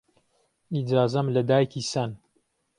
ئیجازەم لە دایکی سەن